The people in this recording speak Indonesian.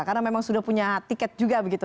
karena memang sudah punya tiket juga begitu